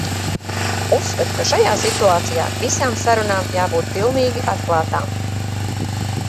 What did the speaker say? Uzskatu, ka šajā situācijā visām sarunām jābūt pilnīgi atklātām.